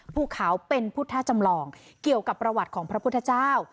ภูเขาเป็นพุทธจำลองเกี่ยวกับประวัติของพระพุทธเจ้า